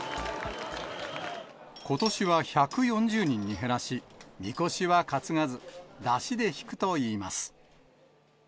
ことしは１４０人に減らし、みこしは担がず、だしでひくといいます。